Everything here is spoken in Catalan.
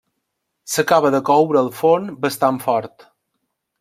S'acaba de coure a forn bastant fort.